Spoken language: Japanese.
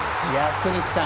福西さん